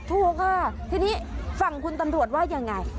ถูกค่ะทีนี้ฝั่งคุณตำรวจว่ายังไง